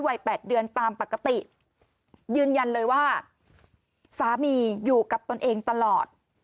แปดเดือนตามปกติยืนยันเลยว่าสามีอยู่กับตนเองตลอด